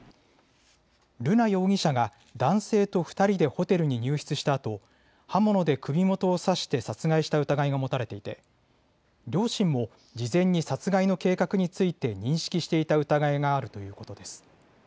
瑠奈容疑者が男性と２人でホテルに入室したあと、刃物で首元を刺して殺害した疑いが持たれていて、両親も事前に殺害の計画について認識していた疑いがあるということです。